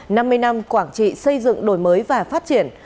năm mươi năm quảng trị xây dựng đổi mới và phát triển